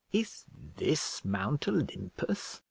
"Is this Mount Olympus?"